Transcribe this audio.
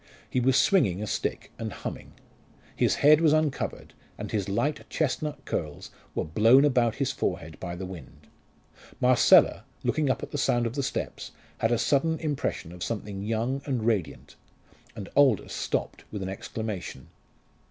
He was swinging a stick and humming. His head was uncovered, and his light chestnut curls were blown about his forehead by the wind. Marcella, looking up at the sound of the steps, had a sudden impression of something young and radiant, and Aldous stopped with an exclamation.